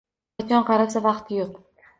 Qachon qarasa vaqti yo'q!